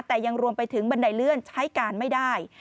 แต่ยังรวมไปถึงบันไดเลื่อนใช้การไม่ได้